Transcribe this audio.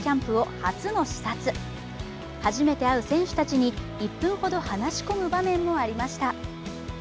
初めて会う選手たちに１分ほど話し込む場面もありました。